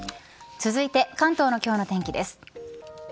続いて関東の今日の天気です。